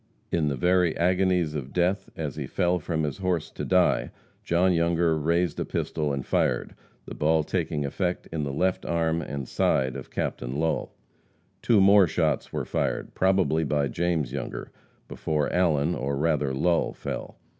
In the very agonies of death, as he fell from his horse to die, John Younger raised a pistol and fired, the ball taking effect in the left arm and side of Captain Lull. Two more shots were fired, probably by James Younger, before Allen, or rather Lull, fell.